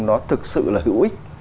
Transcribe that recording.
nó thực sự là hữu ích